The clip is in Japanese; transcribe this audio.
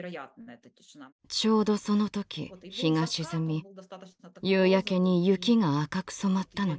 ちょうどその時日が沈み夕焼けに雪が赤く染まったのです。